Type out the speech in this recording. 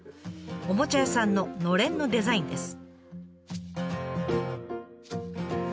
おもちゃ屋さんののれんのデザインです。